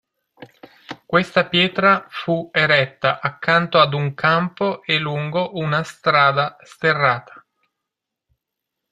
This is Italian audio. Questa pietra fu eretta accanto ad un campo e lungo una strada sterrata.